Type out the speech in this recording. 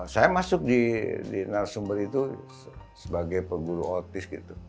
saya masuk di narasumber itu sebagai pemburu otis gitu